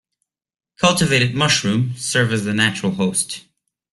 Cultivated mushroom serve as the natural host.